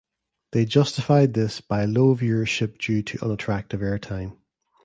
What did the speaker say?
They justified this by low viewership due to unattractive airtime.